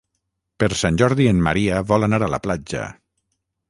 Per Sant Jordi en Maria vol anar a la platja.